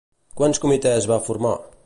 Quants comitès va formar?